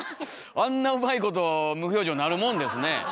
あんなうまいこと無表情になるもんですね。